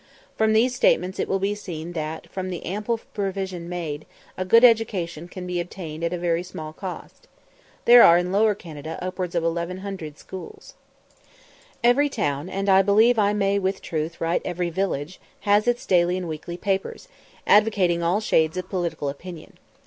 From these statements it will be seen that, from the ample provision made, a good education can be obtained at a very small cost. There are in Lower Canada upwards of 1100 schools. Every town, and I believe I may with truth write every village, has its daily and weekly papers, advocating all shades of political opinion.